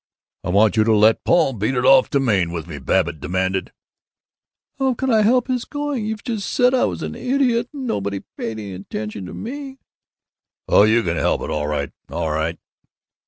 "I want you to let Paul beat it off to Maine with me," Babbitt demanded. "How can I help his going? You've just said I was an idiot and nobody paid any attention to me." "Oh, you can help it, all right, all right!